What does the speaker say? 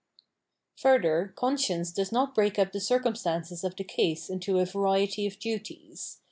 Further, conscience does not break up the circum stances of the case into a variety of duties.